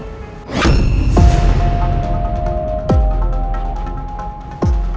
tidak tidak mungkin